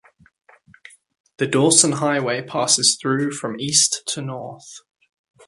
The Dawson Highway passes through from east to north.